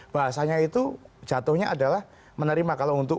bahasanya itu jatuhnya adalah menerima kalau untuk